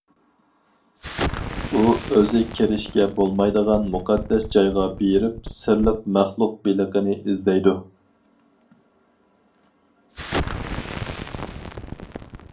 ئۇ ئۆزى كىرىشكە بولمايدىغان مۇقەددەس جايغا بېرىپ سىرلىق مەخلۇق بېلىقنى ئىزدەيدۇ.